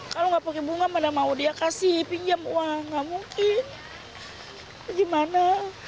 kalau nggak pakai bunga mana mau dia kasih pinjam uang nggak mungkin gimana